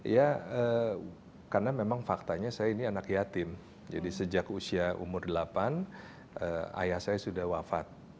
ya karena memang faktanya saya ini anak yatim jadi sejak usia umur delapan ayah saya sudah wafat